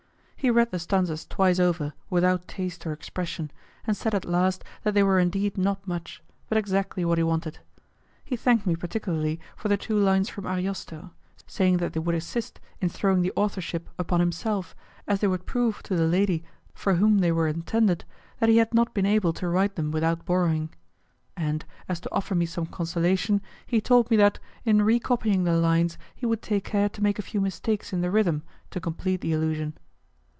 He read the stanzas twice over without taste or expression, and said at last that they were indeed not much, but exactly what he wanted. He thanked me particularly for the two lines from Ariosto, saying that they would assist in throwing the authorship upon himself, as they would prove to the lady for whom they were intended that he had not been able to write them without borrowing. And, as to offer me some consolation, he told me that, in recopying the lines, he would take care to make a few mistakes in the rhythm to complete the illusion.